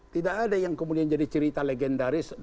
tidak ada yang kemudian jadi cerita legendaris